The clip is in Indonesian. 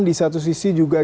di satu sisi juga